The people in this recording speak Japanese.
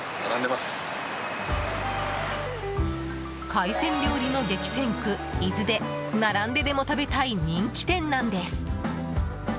海鮮料理の激戦区、伊豆で並んででも食べたい人気店なんです。